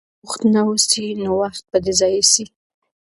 که په کار بوخت نه اوسې نو وخت به دي ضایع سي.